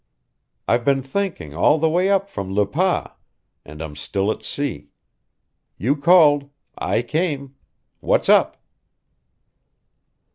I've been thinking all the way up from Le Pas, and I'm still at sea. You called. I came. What's up?"